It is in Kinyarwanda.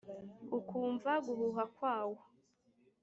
ukumva guhuha kwawo,